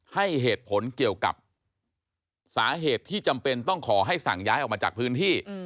ให้เหตุผลเกี่ยวกับสาเหตุที่จำเป็นต้องขอให้สั่งย้ายออกมาจากพื้นที่